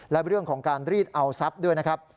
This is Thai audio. และเรื่องของการรีดเอาทรัพย์ด้วยนะครับ